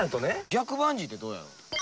逆バンジーってどうやろ？